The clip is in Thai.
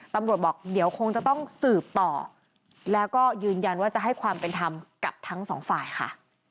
ตำรวจบอกเดี๋ยวคงจะต้องสืบต่อแล้วก็ยืนยันว่าจะให้ความเป็นธรรมกับทั้งสองฝ่ายค่ะ